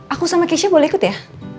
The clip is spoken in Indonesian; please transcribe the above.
aku sama kece boleh ikut ya